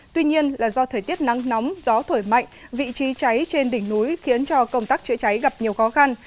tuy nhiên là do thời tiết nắng nóng gió thổi mạnh vị trí cháy trên đỉnh núi khiến cho công tác chữa cháy gặp nhiều khó khăn